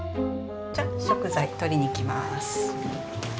じゃ食材取りに行きます。